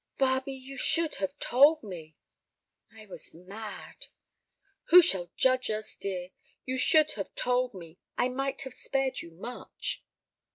"Barbe, you should have told me." "I was mad." "Who shall judge us, dear? You should have told me. I might have spared you much."